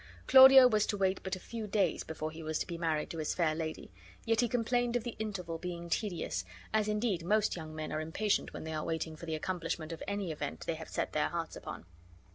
Claudio was to wait but a few days before he was to be married to his fair lady; yet he complained of the interval being tedious, as indeed most young men are impatient when they are waiting for the accomplishment of any event they have set their hearts upon.